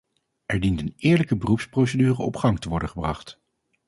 Er dient een eerlijke beroepsprocedure op gang te worden gebracht.